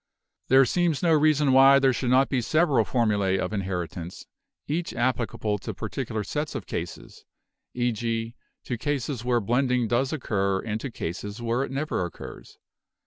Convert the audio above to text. There seems no reason why there should not be several formulae of inheritance, each applicable to particular sets of cases — e.g., to cases where blending does occur and to cases where it never occurs.